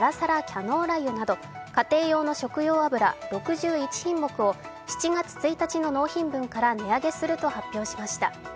キャノーラ油など、家庭用の食用油６１品目を７月１日の納品分から値上げすると発表しました。